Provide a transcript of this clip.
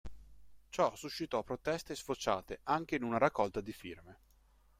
Ciò suscitò proteste sfociate anche in una raccolta di firme.